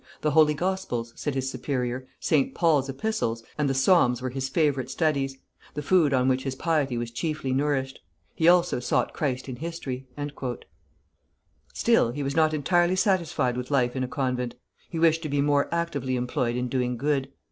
"The Holy Gospels," said his superior, "Saint Paul's Epistles, and the Psalms were his favorite studies, the food on which his piety was chiefly nourished. He also sought Christ in history." Still, he was not entirely satisfied with life in a convent; he wished to be more actively employed in doing good.